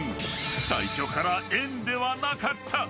最初から円ではなかった。